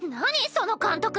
その監督！